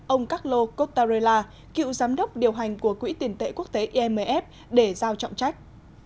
ông carlo cottarella cựu giám đốc điều hành của quỹ tiền tệ quốc tế imf để giao trọng trách